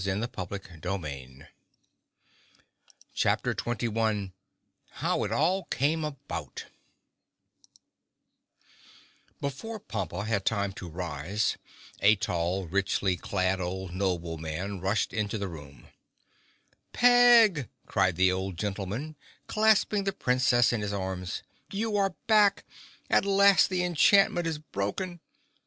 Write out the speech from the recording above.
[Illustration: (unlabelled)] Chapter 21 How It All Came About Before Pompa had time to rise, a tall, richly clad old nobleman rushed into the room. "Peg!" cried the old gentleman, clasping the Princess in his arms. "You are back! At last the enchantment is broken!"